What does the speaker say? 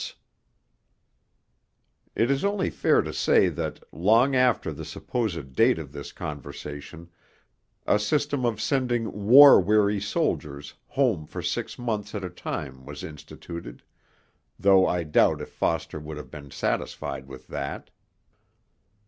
' [Footnote 1: It is only fair to say that, long after the supposed date of this conversation, a system of sending 'war weary' soldiers home for six months at a time was instituted, though I doubt if Foster would have been satisfied with that.